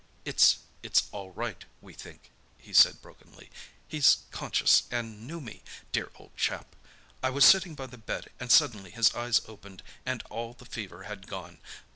"It's—it's all right, we think," he said brokenly. "He's conscious and knew me, dear old chap! I was sitting by the bed, and suddenly his eyes opened and all the fever had gone.